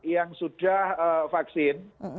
yang sudah vaksin